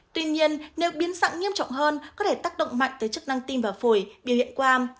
tuy nhiên nếu biến sẵn nghiêm trọng hơn có thể tác động mạnh tới chức năng tim và phổi biểu hiện qua